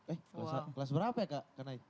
eh kelas berapa ya kak kak nai